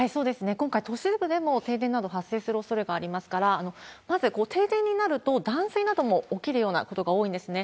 今回、都市部でも停電など発生するおそれがありますから、まず停電になると、断水なども起きるようなことが多いんですね。